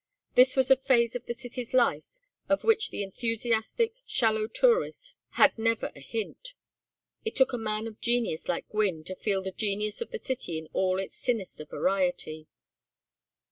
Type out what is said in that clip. This was a phase of the city's life of which the enthusiastic shallow tourist had never a hint. It took a man of genius like Gwynne to feel the genius of the city in all its sinister variety.